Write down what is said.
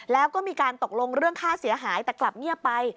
แล้วก็มีการตกลงเรื่องค่าเสียหายแต่กลับเงียบไป